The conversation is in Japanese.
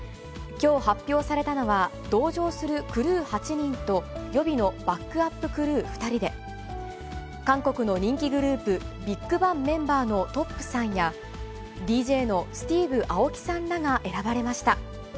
きょう発表されたのは、同乗するクルー８人と、予備のバックアップクルー２人で、韓国の人気グループ、ＢＩＧＢＡＮＧメンバーのトップさんや、ＤＪのスティーヴ・アオキさんらが選ばれました。